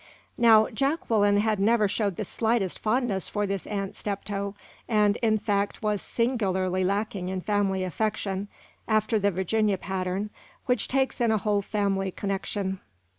Now, Jacqueline had never showed the slightest fondness for this Aunt Steptoe, and, in fact, was singularly lacking in family affection, after the Virginia pattern, which takes in a whole family connection.